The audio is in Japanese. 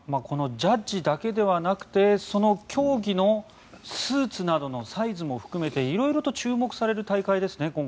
このジャッジだけではなくてその競技のスーツなどのサイズも含めて色々と注目される大会ですね。